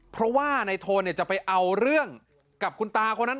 เพราะว่านายโทนจะไปเอาเรื่องกับคุณตาคนนั้น